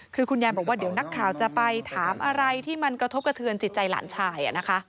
คือคุณยายบอกว่าเดี๋ยวนักข่าวจะไปถามอะไรที่มันกระทบกระเทือนจิตใจหลานชายนะคะ